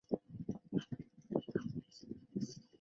基阿卡湖水又向西流入亚伯特湖。